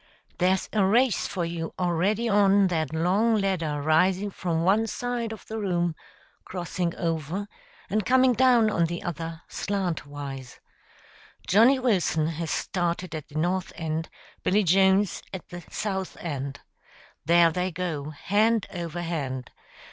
There's a race for you already on that long ladder rising from one side of the room, crossing over, and coming down on the other slantwise. Johnnie Wilson has started at the north end, Billy Jones at the south end. There they go, hand over hand!